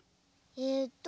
えっと